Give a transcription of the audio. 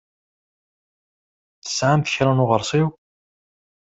Tesɛamt kra n uɣeṛsiw?